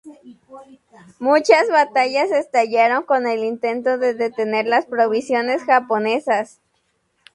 Muchas batallas estallaron con el intento de detener las provisiones japonesas.